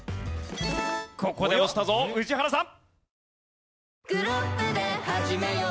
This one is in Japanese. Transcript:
ここで押したぞ宇治原さん。